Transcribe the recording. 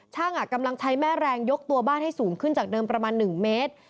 ช่างกำลังใช้แม่แรงยกตัวบ้านให้สูงขึ้นจากเดิมประมาณ๑เมตร